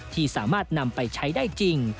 ที่สามารถนำไปใช้ได้จริง